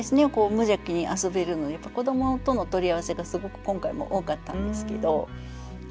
無邪気に遊べるので子どもとの取り合わせがすごく今回も多かったんですけど。